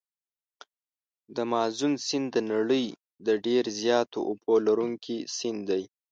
د مازون سیند د نړۍ د ډېر زیاتو اوبو لرونکي سیند دی.